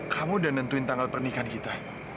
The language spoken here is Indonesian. kamu udah nentuin tanggal pernikahan kita